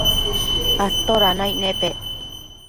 atoda naic nepec